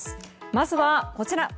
まずは、こちら。